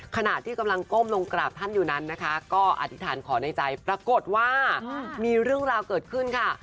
ขณะที่กำลังก้มลงกราบท่านอยู่นั้นนะคะก็อธิษฐานขอในใจปรากฏว่ามีเรื่องราวเกิดขึ้นค่ะ